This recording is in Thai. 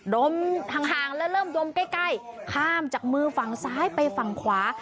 ดมห่างแล้วเริ่มดมใกล้ข้ามจากมือฝั่งซ้ายไปฝั่งขวา